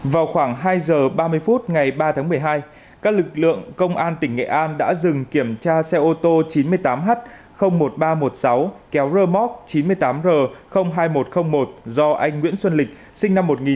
vào khoảng hai giờ ba mươi phút ngày ba tháng một mươi hai các lực lượng công an tỉnh nghệ an đã dừng kiểm tra xe ô tô chín mươi tám h một nghìn ba trăm một mươi sáu kéo rơ móc chín mươi tám r hai nghìn một trăm linh một do anh nguyễn xuân lịch sinh năm một nghìn chín trăm tám mươi